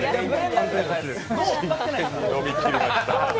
飲みきりました。